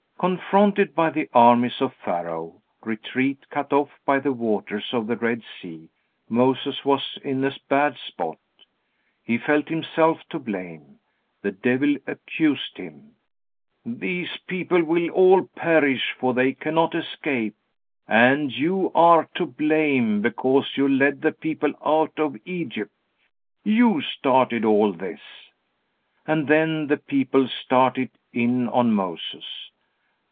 Confronted by the armies of Pharaoh, retreat cut off by the waters of the Red Sea, Moses was in a bad spot. He felt himself to blame. The devil accused him: "These people will all perish, for they cannot escape. And you are to blame because you led the people out of Egypt. You started all this." And then the people started in on Moses.